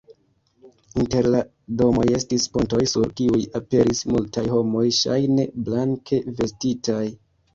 Inter la domoj estis pontoj, sur kiuj aperis multaj homoj ŝajne blanke vestitaj.